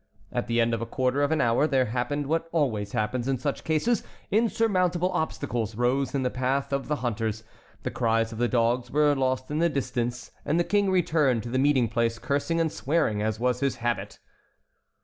At the end of a quarter of an hour there happened what always happens in such cases. Insurmountable obstacles rose in the path of the hunters, the cries of the dogs were lost in the distance, and the King returned to the meeting place cursing and swearing as was his habit.